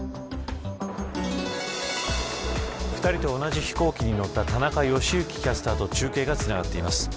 ２人と同じ飛行機に乗った田中良幸キャスターと中継がつながっています。